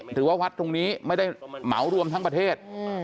หรือว่าวัดตรงนี้ไม่ได้เหมารวมทั้งประเทศ